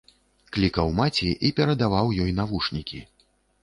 Клікаў маці і перадаваў ёй навушнікі.